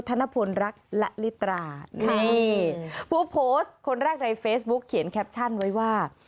ธนพลรักและลิตรานี่ผู้โพสต์คนแรกในเฟซบุ๊กเขียนแคปชั่นไว้ว่า